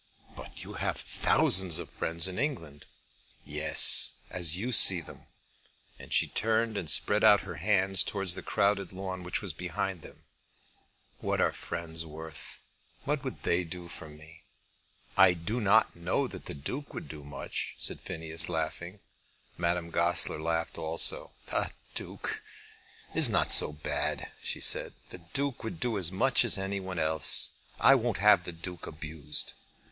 "But you have thousands of friends in England." "Yes, as you see them," and she turned and spread out her hands towards the crowded lawn, which was behind them. "What are such friends worth? What would they do for me?" "I do not know that the Duke would do much," said Phineas laughing. Madame Goesler laughed also. "The Duke is not so bad," she said. "The Duke would do as much as any one else. I won't have the Duke abused."